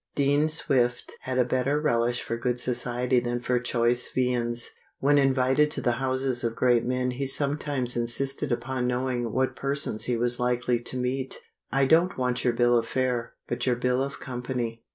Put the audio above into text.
Dean Swift had a better relish for good society than for choice viands. When invited to the houses of great men he sometimes insisted upon knowing what persons he was likely to meet. "I don't want your bill of fare, but your bill of company."